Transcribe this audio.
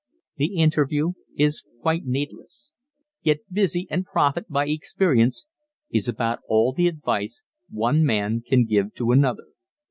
The interview is quite needless. "Get busy and profit by experience," is about all the advice one man can give to another.